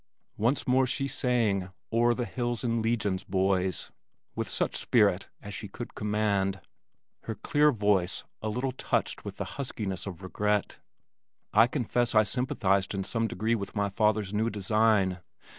Once more she sang, "O'er the hills in legions, boys," with such spirit as she could command, her clear voice a little touched with the huskiness of regret. I confess I sympathized in some degree with my father's new design.